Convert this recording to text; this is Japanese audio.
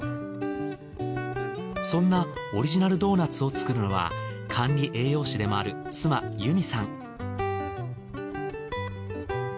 そんなオリジナルドーナツを作るのは管理栄養士でもある妻由実さん。